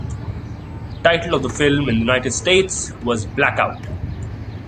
The title of the film in the United States was Blackout.